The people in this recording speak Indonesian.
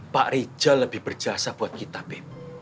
pak rijal lebih berjasa buat kita beb